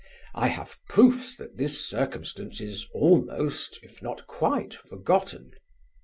I have proofs that this circumstance is almost, if not quite, forgotten.